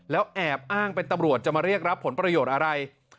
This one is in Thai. แล้วแอบอ้างเป็นตำรวจจะมาเรียกรับผลประโยชน์อะไร